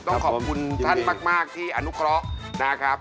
ต้องขอบคุณท่านมากที่อนุเคราะห์นะครับ